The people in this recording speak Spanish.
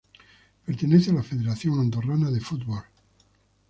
Pertenece a la Federación Andorrana de Fútbol.